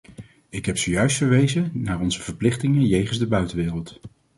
Ik heb zojuist verwezen naar onze verplichtingen jegens de buitenwereld.